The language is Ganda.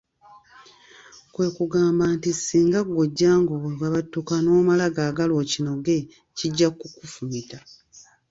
Kwe kugamba nti singa ggwe ojja ng'ogabattuka n'omala gaagala okinoge, kijja kukufumita.